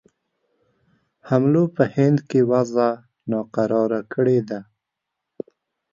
حملو په هند کې وضع ناکراره کړې ده.